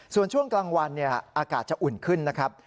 ส่วนช่วงกลางวันอากาศจะอุ่นขึ้นนะครับ